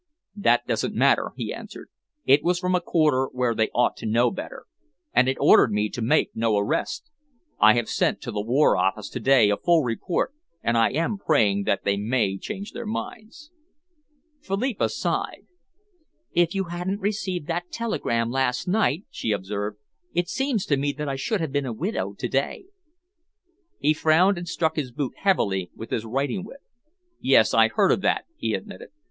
"That doesn't matter," he answered. "It was from a quarter where they ought to know better, and it ordered me to make no arrest. I have sent to the War Office to day a full report, and I am praying that they may change their minds." Philippa sighed. "If you hadn't received that telegram last night," she observed, "it seems to me that I should have been a widow to day." He frowned, and struck his boot heavily with his riding whip. "Yes, I heard of that," he admitted.